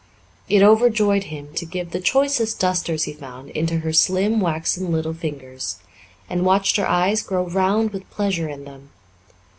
It overjoyed him to give the choicest dusters he found into her slim, waxen little fingers, and watch her eyes grow round with pleasure in them.